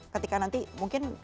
ketika nanti mungkin